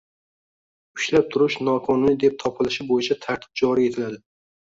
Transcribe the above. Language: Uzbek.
ushlab turish noqonuniy deb topilishi bo‘yicha tartib joriy etiladi.